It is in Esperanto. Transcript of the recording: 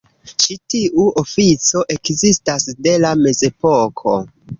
Ĉi tiu ofico ekzistas de la mezepoko.